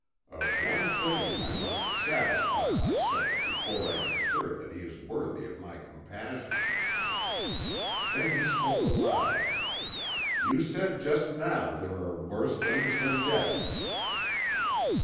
Of one thing I must satisfy myself before I am assured that he is worthy of my compassion." Then he spoke aloud. "You said just now there are worse things than death."